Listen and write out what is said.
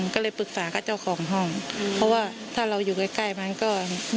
ก็เลยปรึกษากับเจ้าของห้องเพราะว่าถ้าเราอยู่ใกล้มันก็